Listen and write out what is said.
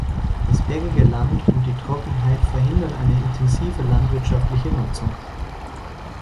Das bergige Land und die Trockenheit verhindern eine intensive landwirtschaftliche Nutzung.